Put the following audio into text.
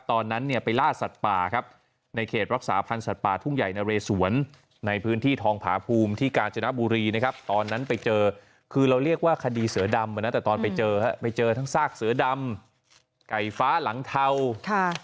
ตอนนั้นเนี่ยไปล่าสัตว์ป่าครับในเขตรักษาพันธ์สัตว์ป่าทุ่งใหญ่นะเรสวนในพื้นที่ทองผาภูมิที่กาญจนบุรีนะครับตอนนั้นไปเจอคือเราเรียกว่าคดีเสือดำมานะแต่ตอนไปเจอฮะไปเจอทั้งซากเสือดำไก่ฟ้าหลังเทาค่ะ